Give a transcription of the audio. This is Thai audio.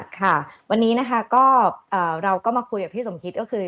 ค่ะวันนี้นะคะก็เราก็มาคุยกับพี่สมคิดก็คือ